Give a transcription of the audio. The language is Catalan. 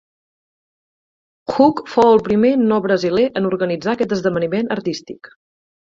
Hug fou el primer no brasiler en organitzar aquest esdeveniment artístic.